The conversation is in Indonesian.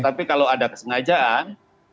tapi kalau ada kesengajaan